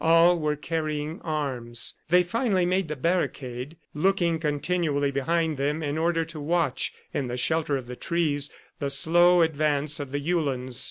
All were carrying arms. They finally made the barricade, looking continually behind them, in order to watch, in the shelter of the trees, the slow advance of the Uhlans.